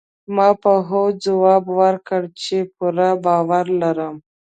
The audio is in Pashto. ما په هوځواب ورکړ، چي پوره باور لرم.